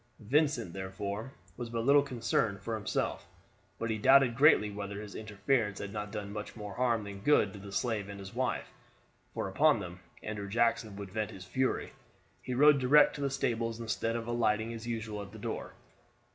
Vincent, therefore, was but little concerned for himself; but he doubted greatly whether his interference had not done much more harm than good to the slave and his wife, for upon them Andrew Jackson would vent his fury. He rode direct to the stables instead of alighting as usual at the door.